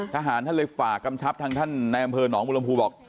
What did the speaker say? ท่านเลยฝากกำชับทางท่านในอำเภอหนองบุรมภูบอก